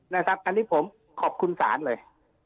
นะครับอันนี้ผมขอบคุณศาลเลย